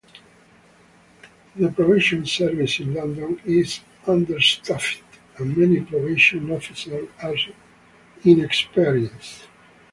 The probation service in London is understaffed and many probation officers are inexperienced.